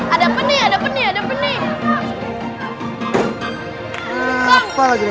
ada penyata penyata penyata penyata